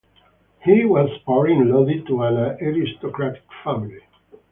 He was born in Lodi to an aristocratic family.